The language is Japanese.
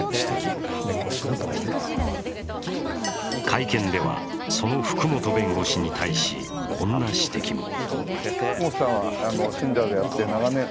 会見ではその福本弁護士に対しこんな指摘も。